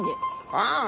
ああ。